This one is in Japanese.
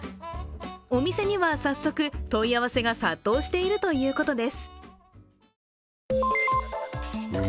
お店には早速、問い合わせが殺到しているということです。